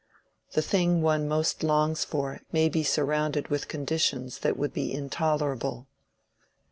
"The thing one most longs for may be surrounded with conditions that would be intolerable."